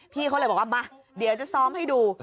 พี่เขาเลยบอกว่ามาเดี๋ยวจะซ้อมให้ดู